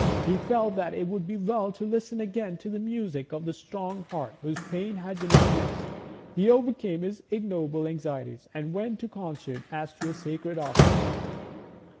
He felt that it would be well to listen again to the music of that strong heart whose pain had been his bliss. He overcame his ignoble anxieties and went to the concert as to a sacred office.